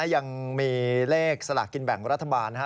ยังมีเลขสลากกินแบ่งรัฐบาลนะฮะ